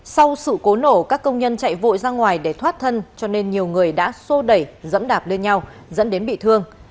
sau sự cố nổ các công nhân chạy vội ra ngoài để thoát thân cho nên nhiều người đã sô đẩy dẫm đạp lên nhau dẫn đến bị thương